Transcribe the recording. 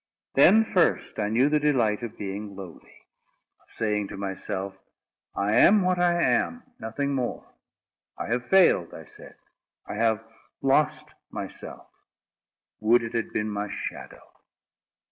Then first I knew the delight of being lowly; of saying to myself, "I am what I am, nothing more." "I have failed," I said, "I have lost myself—would it had been my shadow."